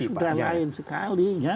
sekarang sudah lain sekali